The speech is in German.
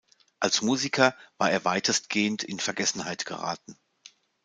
Als Musiker war er weitestgehend in Vergessenheit geraten.